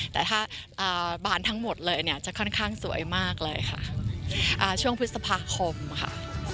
แต่ถ้าบานทั้งหมดเลยเนี่ยจะค่อนข้างสวยมากเลยค่ะช่วงพฤษภาคมค่ะ